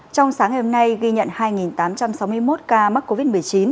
tháng hôm nay ghi nhận hai tám trăm sáu mươi một ca mắc covid một mươi chín